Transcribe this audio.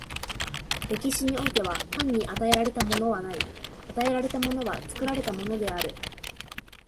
歴史においては、単に与えられたものはない、与えられたものは作られたものである。